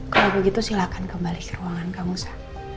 kalau begitu silahkan kembali ke ruangan kamu sa